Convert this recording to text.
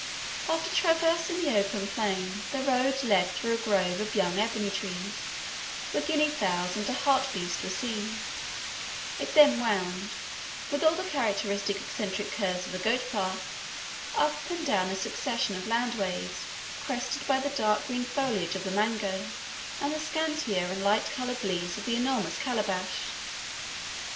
After traversing the open plain, the road led through a grove of young ebony trees, where guinea fowls and a hartebeest were seen; it then wound, with all the characteristic eccentric curves of a goat path, up and down a succession of land waves crested by the dark green foliage of the mango, and the scantier and lighter coloured leaves of the enormous calabash.